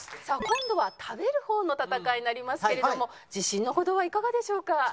さあ今度は食べる方の戦いになりますけれども自信のほどはいかがでしょうか？